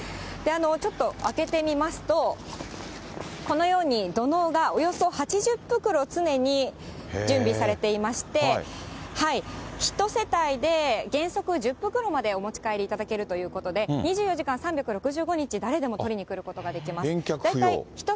ちょっと開けてみますと、このように、土のうがおよそ８０袋、常に準備されていまして、１世帯で原則１０袋までお持ち帰りいただけるということで、２４時間３６５日、誰でも取りにくることができます。